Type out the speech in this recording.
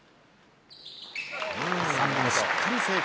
３本、しっかり成功。